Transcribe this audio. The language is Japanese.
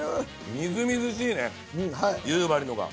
みずみずしいね夕張の方が。